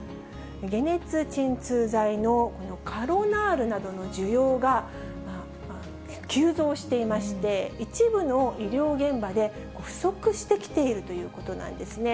解熱鎮痛剤のカロナールなどの需要が急増していまして、一部の医療現場で不足してきているということなんですね。